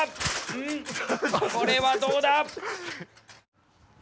うんこれはどうだ？